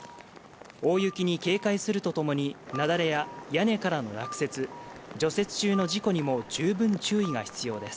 大雪に警戒すると共に雪崩や屋根からの落雪除雪中の事故にも十分注意が必要です。